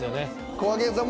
こがけんさん